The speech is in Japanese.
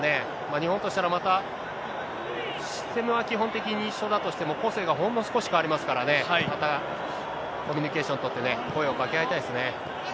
日本としたら、また、システムは基本的に一緒だとしても、個性がほんの少し変わりますからね、またコミュニケーション取ってね、声を掛け合いたいですね。